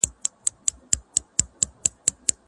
افغان ځوانان د پوره قانوني خوندیتوب حق نه لري.